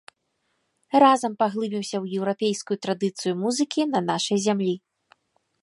Разам паглыбімся ў еўрапейскую традыцыю музыкі на нашай зямлі.